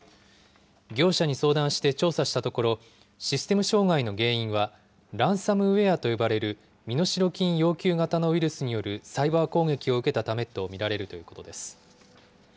業者に相談して調査したところ、システム障害の原因は、ランサムウエアと呼ばれる身代金要求型のウイルスによるサイバー攻撃を受けたためと見られるということです。